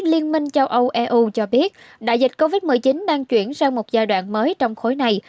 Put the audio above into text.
liên minh châu âu eu cho biết đại dịch covid một mươi chín đang chuyển sang một giai đoạn mới trong khối này